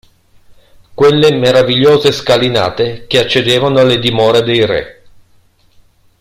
Quelle meravigliose scalinate che accedevano alle dimore dei re…